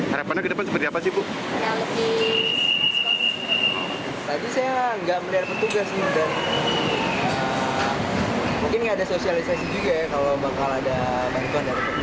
harapannya ke depan seperti apa sih bu